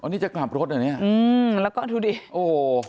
อ๋อนี่จะกลับรถอย่างนี้อืมแล้วก็ดูดิโอ้โห